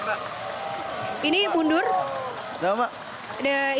okey berusaha deze shoji